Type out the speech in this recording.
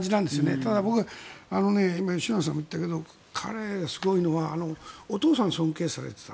ただ、僕今、吉永さんも言ったけど彼、すごいのはお父さんを尊敬されていた。